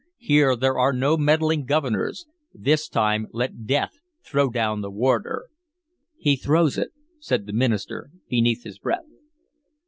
Here there are no meddling governors; this time let Death throw down the warder!" "He throws it," said the minister beneath his breath.